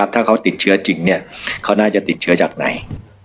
ถ้าเขาติดเชื้อจริงเขาน่าจะติดเชื้อจากไหน